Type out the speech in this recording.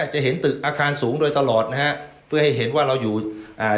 จะเห็นตึกอาคารสูงโดยตลอดนะฮะเพื่อให้เห็นว่าเราอยู่อ่า